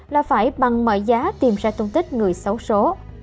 là phải bằng mọi giá tìm ra tung tích người xấu số